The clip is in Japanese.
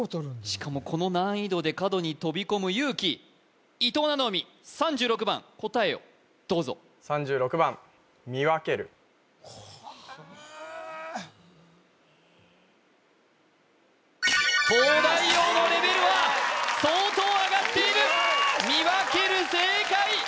しかもこの難易度で角に飛び込む勇気伊藤七海３６番答えをどうぞ東大王のレベルは相当上がっているみわける正解！